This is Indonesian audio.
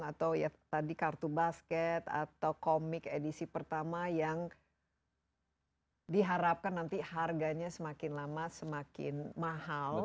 atau ya tadi kartu basket atau komik edisi pertama yang diharapkan nanti harganya semakin lama semakin mahal